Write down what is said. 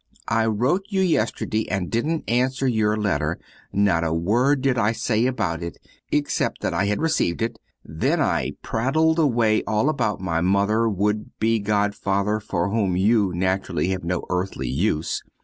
I wrote you yesterday, and didn't answer your letter. Not a word did I say about it, except that I had received it, then I prattled away all about another would be godfather for whom you, naturally, have no earthly use.